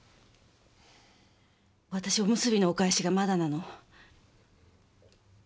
私おむすびのお返しがまだなの。